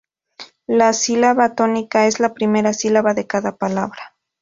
La sílaba tónica es la primera sílaba de cada palabra.